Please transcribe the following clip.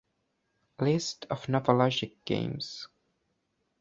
List of NovaLogic games.